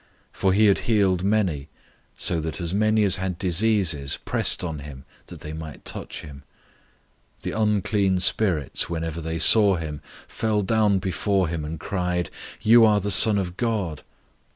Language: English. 003:010 For he had healed many, so that as many as had diseases pressed on him that they might touch him. 003:011 The unclean spirits, whenever they saw him, fell down before him, and cried, "You are the Son of God!"